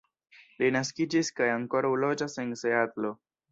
Li naskiĝis kaj ankoraŭ loĝas en Seatlo.